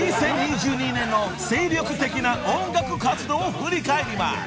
［２０２２年の精力的な音楽活動を振り返ります］